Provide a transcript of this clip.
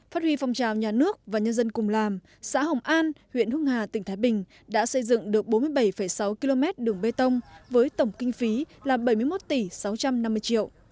phát huy phong trào nhà nước và nhân dân cùng làm xã hồng an huyện hưng hà tỉnh thái bình đã xây dựng được bốn mươi bảy sáu km đường bê tông với tổng kinh phí là bảy mươi một tỷ sáu trăm năm mươi triệu